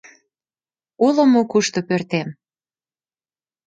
Уло мо кушто пӧртем?